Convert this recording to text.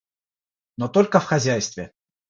Но только в хозяйстве.